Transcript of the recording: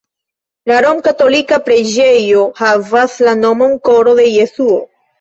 La romkatolika preĝejo havas la nomon Koro de Jesuo.